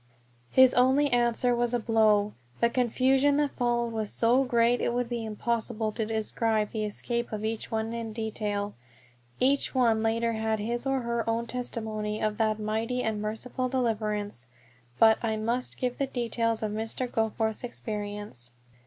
His only answer was a blow. The confusion that followed was so great it would be impossible to describe the escape of each one in detail. Each one later had his or her own testimony of that mighty and merciful deliverance. But I must give the details of Mr. Goforth's experience.